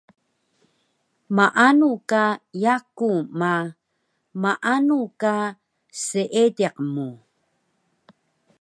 Maanu ka yaku ma, maanu ka seediq mu